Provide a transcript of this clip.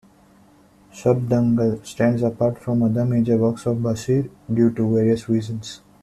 "Shabdangal" stands apart from other major works of Basheer due to various reasons.